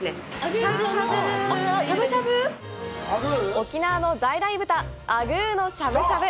沖縄の在来豚、あぐーのしゃぶしゃぶ！